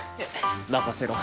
まかせろ！